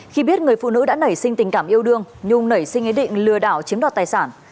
khi biết người phụ nữ đã nảy sinh tình cảm yêu đương nhung nảy sinh ý định lừa đảo chiếm đoạt tài sản